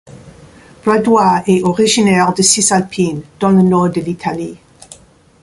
Bradua est originaire de Cisalpine, dans le nord de l'Italie.